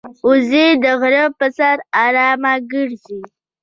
وزې د غره پر سر آرامه ګرځي